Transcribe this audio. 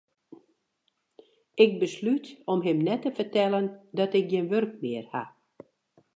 Ik beslút om him net te fertellen dat ik gjin wurk mear ha.